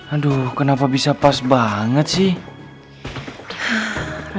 aduh kenapa bisa pas banget sih